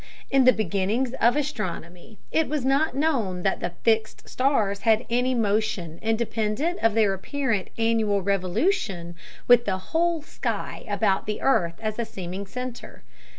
In the beginnings of astronomy it was not known that the "fixed stars" had any motion independent of their apparent annual revolution with the whole sky about the earth as a seeming center.